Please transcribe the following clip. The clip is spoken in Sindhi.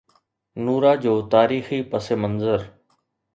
نورا جو تاريخي پس منظر